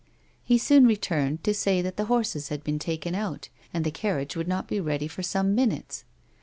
He soon returned, to say that the horses had been taken out, and the carriage would not be ready for some minutes.